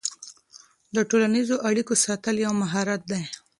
د ټولنیزو اړیکو ساتل یو مهارت دی.